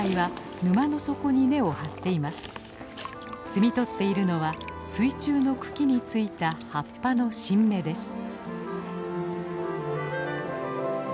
摘み取っているのは水中の茎についた葉っぱの新芽です。